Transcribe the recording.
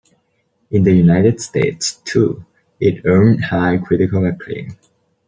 In the United States, too, it earned high critical acclaim.